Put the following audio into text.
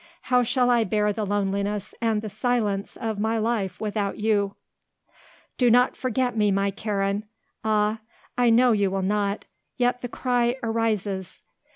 How shall I bear the loneliness and the silence of my life without you? "Do not forget me, my Karen. Ah, I know you will not, yet the cry arises.